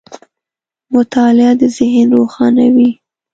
• مطالعه د ذهن روښانوي.